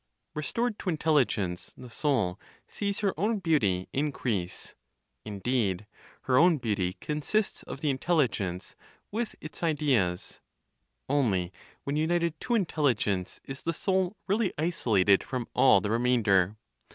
Restored to intelligence, the soul sees her own beauty increase; indeed, her own beauty consists of the intelligence with its ideas; only when united to intelligence is the soul really isolated from all the remainder.